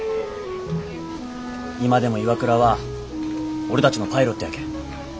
今でも岩倉は俺たちのパイロットやけん。